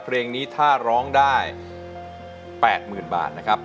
เพลงนี้ถ้าร้องได้๘๐๐๐บาทนะครับ